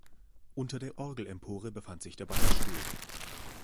Unter der Orgelempore befand sich der Beichtstuhl.